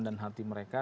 dan hati mereka